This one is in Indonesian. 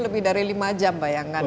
lebih dari lima jam bayangan